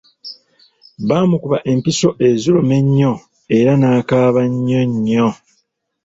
Baamukuba empiso eziruma ennyo era n’akaaba nnyo nnyo.